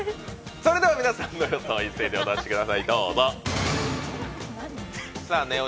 それでは皆さんの予想、一斉にお出しください。